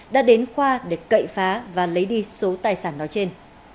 đã đến khoa để cậy phá và lấy đi số tài sản nói trên